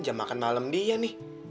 jam makan malam dia nih